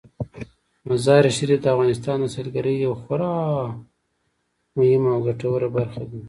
مزارشریف د افغانستان د سیلګرۍ یوه خورا مهمه او ګټوره برخه ده.